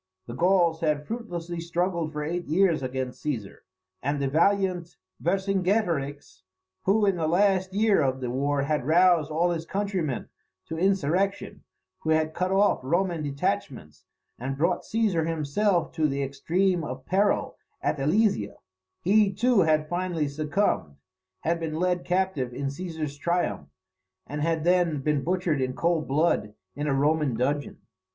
The Gauls had fruitlessly struggled for eight years against Caesar; and the valiant Vercingetorix, who in the last year of the war had roused all his countrymen to insurrection, who had cut off Roman detachments, and brought Caesar himself to the extreme of peril at Alesia he, too, had finally succumbed, had been led captive in Caesar's triumph, and had then been butchered in cold blood in a Roman dungeon.